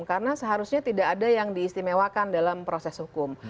karena seharusnya tidak ada yang diistimewakan dalam proses hukum